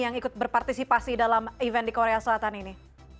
yang ikut berpartisipasi dalam event di korea selatan ini